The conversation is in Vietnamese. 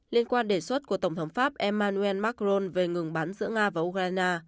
liên quan đề xuất của tổng thống pháp emmanuel macron về ngừng bắn giữa nga và ukraine